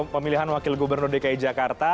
pemilihan wakil gubernur dki jakarta